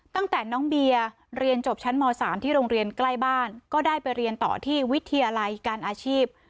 ตั้งแต่น้องเบียร์เรียนจบชั้นม๓ที่โรงเรียนใกล้บ้านก็ได้ไปเรียนต่อที่วิทยาลัยการอาชีพ